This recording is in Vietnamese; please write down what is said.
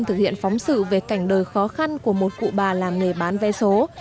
thực hiện phóng sự về cảnh đời khó khăn của một cụ bà làm nghề bán vé số